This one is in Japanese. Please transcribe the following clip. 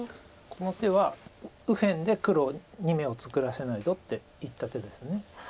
この手は右辺で黒に眼を作らせないぞって言った手です。